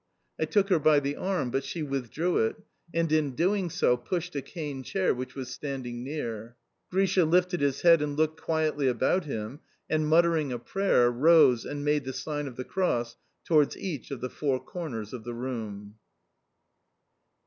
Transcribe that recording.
I took her by the arm, but she withdrew it, and, in doing so, pushed a cane chair which was standing near. Grisha lifted his head looked quietly about him, and, muttering a prayer, rose and made the sign of the cross towards each of the four corners of the room.